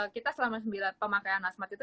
kita selama sembilan pemakaian asmat itu